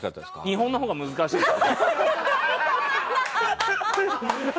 日本のほうが難しかったです。